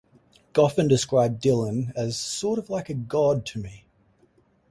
Goffin described Dylan as "sort of like a god to me".